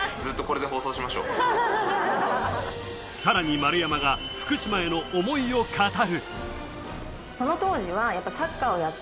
さらに丸山が福島への思いを語る。